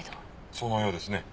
そのようですね。